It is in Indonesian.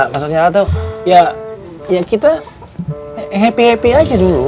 maksudnya a tuh ya kita happy happy aja dulu